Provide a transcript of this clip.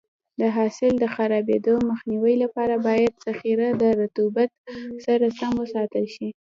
د حاصل د خرابېدو مخنیوي لپاره باید ذخیره د رطوبت سره سم وساتل شي.